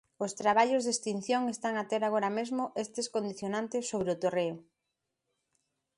Os traballos de extinción están a ter agora mesmo estes condicionantes sobre o terreo.